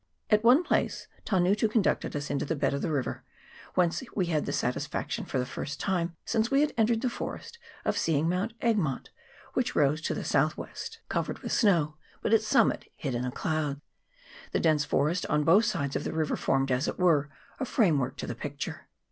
At one place Tangutu conducted us into the bed of the river, whence we had the satisfaction, for the first time since we had entered the forest, of seeing Mount Egmont, which rose to the south by west, covered with snow, but its summit hid in the clouds. The dense forest on both sides of the river formed, as it were, a framework to the pic ture.